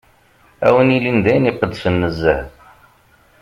Ad wen-ilin d ayen iqedsen nezzeh.